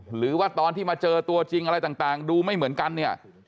หรือว่าตอนที่มาเจอตัวจริงอะไรต่างดูไม่เหมือนกันเนี่ย